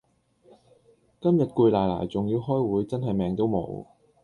今日攰賴賴仲要開會真係命都無